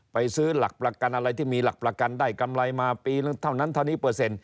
ไปซื้อหลักประกันอะไรที่มีหลักประกันได้กำไรมาปีนึงเท่านั้นเท่านี้เปอร์เซ็นต